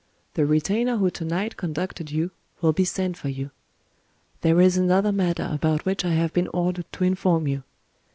The retainer who to night conducted you will be sent for you... There is another matter about which I have been ordered to inform you.